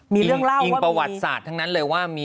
มีเรื่องเล่ายิงประวัติศาสตร์ทั้งนั้นเลยว่า